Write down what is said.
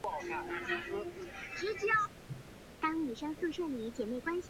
西荻北是东京都杉并区的町名。